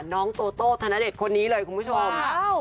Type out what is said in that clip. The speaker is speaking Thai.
น้องโตโต้ธนเดชน์คนนี้เลยคุณผู้ชม